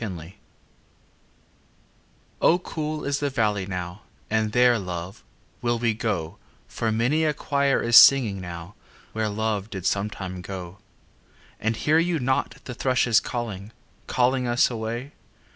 XVI O cool is the valley now And there, love, will we go For many a choir is singing now Where Love did sometime go. And hear you not the thrushes calling, Calling us away?